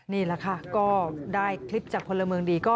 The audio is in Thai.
นี่แหละค่ะก็ได้คลิปจากพลเมืองดีก็